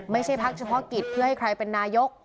พักเฉพาะกิจเพื่อให้ใครเป็นนายก